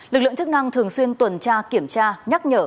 lực lượng chức năng thường xuyên tuần tra kiểm tra nhắc nhở